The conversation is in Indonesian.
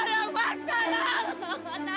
ya udah kita bisa